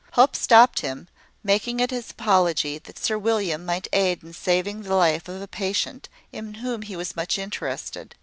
Hope stopped him, making it his apology that Sir William might aid in saving the life of a patient, in whom he was much interested.